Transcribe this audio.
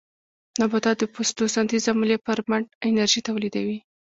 نباتات د فوټوسنټیز عملیې پر مټ انرژي تولیدوي